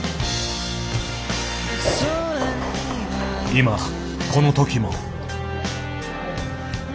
今この時も。